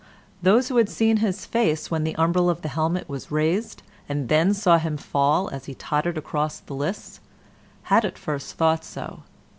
Those who had seen his face when the umbril of the helmet was raised, and then saw him fall as he tottered across the lists, had at first thought so.